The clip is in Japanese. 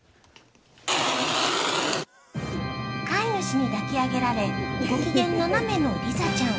飼い主に抱き上げられ、ご機嫌斜めのリザちゃん。